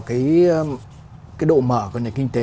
cái độ mở của nền kinh tế